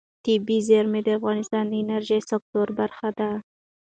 طبیعي زیرمې د افغانستان د انرژۍ سکتور برخه ده.